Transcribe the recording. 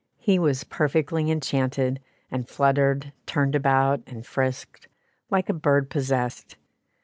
He was perfectly enchanted, and fluttered, turned about, and frisked, like a bird possessed.